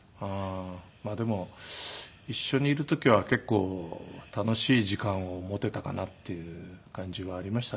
でも一緒にいる時は結構楽しい時間を持てたかなっていう感じはありましたね。